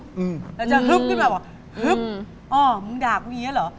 แล้วจะฮึบขึ้นมาว่าฮึบอ้อมึงด่ากูงี้เหรอ